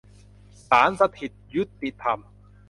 ศาลสถิตยุติธรรม